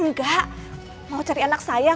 enggak mau cari anak saya